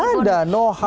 tidak ada perasaan hati